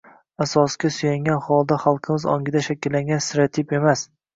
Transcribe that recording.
asosga suyangan holda xalqimiz ongida shakllangan – stereotip emas.